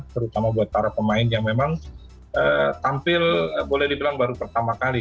terutama buat para pemain yang memang tampil boleh dibilang baru pertama kali